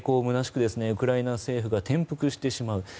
むなしくウクライナ政府が転覆してしまう。